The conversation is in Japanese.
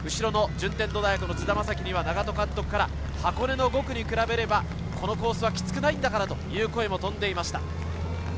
順天堂の津田将希には長門監督から箱根の５区に比べればこのコースはきつくないんだからという声も飛んでいました。